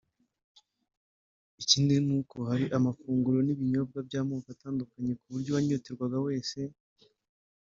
Ikindi ni uko hari amafunguro n’ibinyobwa by’amoko atandukanye ku buryo uwanyoterwaga wese